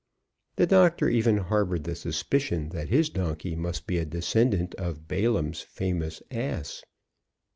The doctor even harbored the suspicion that his donkey must be a descendant of Balaam's famous ass.